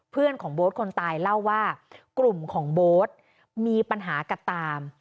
เพื่อนของโบ๊ทคนตายเล่าว่ากลุ่มของโบ๊ทมีปัญหากับตาม